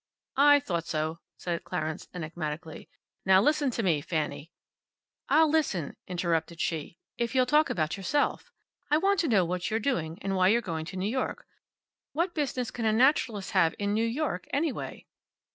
"I thought so," said Clarence, enigmatically. "Now listen to me, Fanny." "I'll listen," interrupted she, "if you'll talk about yourself. I want to know what you're doing, and why you're going to New York. What business can a naturalist have in New York, anyway?"